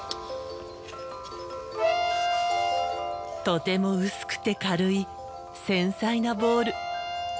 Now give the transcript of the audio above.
とても薄くて軽い繊細なボウル。